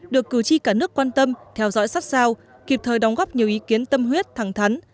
được cử tri cả nước quan tâm theo dõi sát sao kịp thời đóng góp nhiều ý kiến tâm huyết thẳng thắn